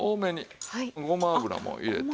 ごま油も入れて。